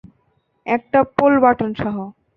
একটা পোল বাটন সহ।